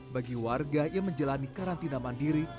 bagi warga yang menjalani karantina mandiri